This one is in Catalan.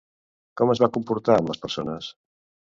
Com es va comportar amb les persones?